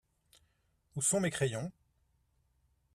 Où sont mes crayons ?